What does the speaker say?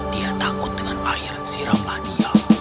dia takut dengan air siramlah dia